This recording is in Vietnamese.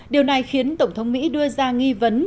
điều này khiến tổng thống mỹ đưa ra nghi vấn